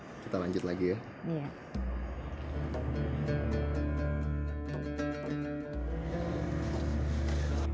diberikan kembali ke tempat yang lebih mudah